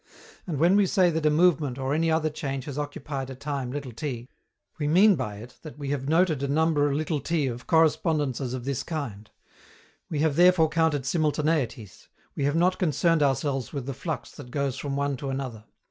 And when we say that a movement or any other change has occupied a time t, we mean by it that we have noted a number t of correspondences of this kind. We have therefore counted simultaneities; we have not concerned ourselves with the flux that goes from one to another.